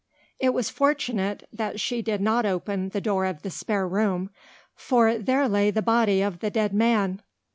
It was fortunate that she did not open the door of the spare room, for there lay the body of the dead man.